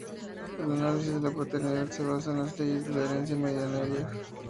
El análisis de la paternidad se basa en las leyes de la herencia mendeliana.